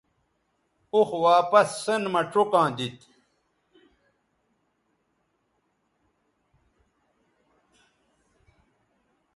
اوخ واپس سین مہ چوکاں دیتھ